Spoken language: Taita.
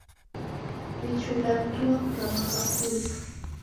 Vichula vidima kurama kakula.